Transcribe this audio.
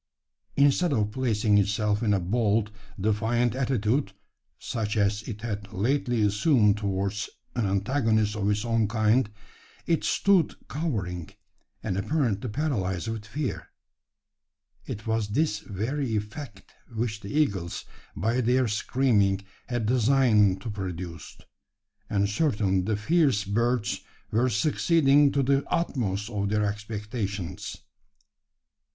Instead of placing itself in a bold, defiant attitude such as it had lately assumed towards an antagonist of its own kind it stood cowering, and apparently paralysed with fear. It was this very effect which the eagles, by their screaming, had designed to produce; and certainly the fierce birds were succeeding to the utmost of their expectations.